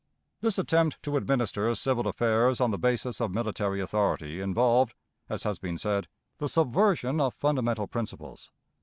This attempt to administer civil affairs on the basis of military authority involved, as has been said, the subversion of fundamental principles.